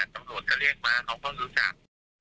ตำรวจก็เรียกมาเขาก็รู้จัก